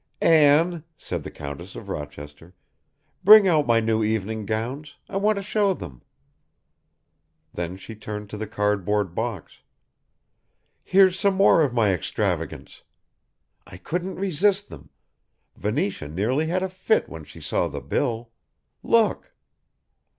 "Anne," said the Countess of Rochester, "bring out my new evening gowns, I want to show them." Then she turned to the cardboard box. "Here's some more of my extravagance. I couldn't resist them, Venetia nearly had a fit when she saw the bill Look!"